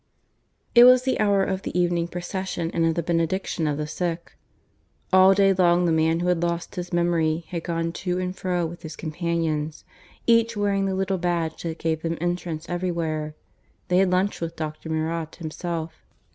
(IV) It was the hour of the evening procession and of the Benediction of the Sick. All day long the man who had lost his memory had gone to and fro with his companions, each wearing the little badge that gave them entrance everywhere; they had lunched with Dr. Meurot himself.